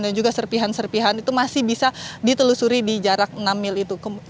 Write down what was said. dan juga serpihan serpihan itu masih bisa ditelusuri di jarak enam mil itu